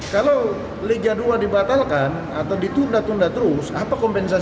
kalau liga dua dibatalkan atau ditunda tunda terus